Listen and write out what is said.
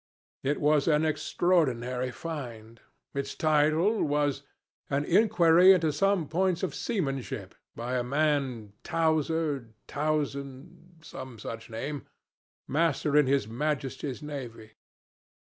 It was an extraordinary find. Its title was, 'An Inquiry into some Points of Seamanship,' by a man Tower, Towson some such name Master in his Majesty's Navy.